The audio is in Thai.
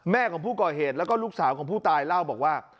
ของผู้ก่อเหตุแล้วก็ลูกสาวของผู้ตายเล่าบอกว่า